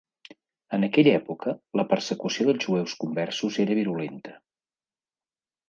En aquella època, la persecució dels jueus conversos era virulenta.